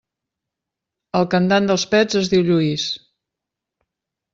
El cantant dels Pets es diu Lluís.